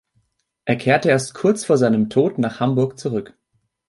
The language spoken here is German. Er kehrte erst kurz vor seinem Tod nach Hamburg zurück.